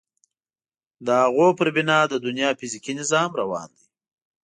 د هغوی پر بنا د دنیا فیزیکي نظام روان دی.